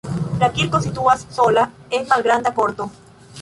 La kirko situas sola en malgranda korto.